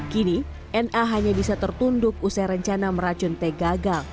kini na hanya bisa tertunduk usai rencana meracun t gagal